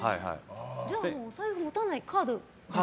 じゃあ、お財布持たないでカードで？